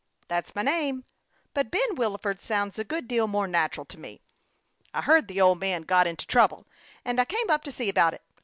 " That's my name ; but Ben Wilford sounds a good deal more natural to me. I heard the old man had got into trouble, and I came up to see about it